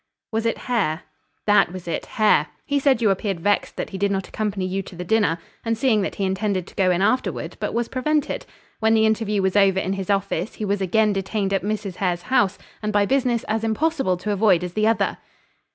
"Was it Hare?" "That was it Hare. He said you appeared vexed that he did not accompany you to the dinner; and seeing that he intended to go in afterward, but was prevented. When the interview was over in his office, he was again detained at Mrs. Hare's house, and by business as impossible to avoid as the other."